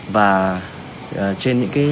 và trên những lời